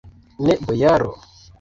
Ne, bojaro!